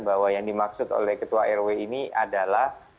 bahwa yang dimaksud oleh ketua rw ini adalah